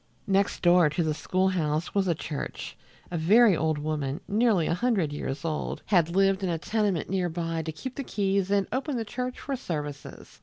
Next door to the school house was the church. A very old woman, nearly a hundred years old, had lived in a tenement near by to keep the keys and open the church for services.